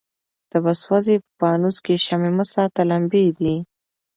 ته به سوځې په پانوس کي شمعي مه ساته لمبې دي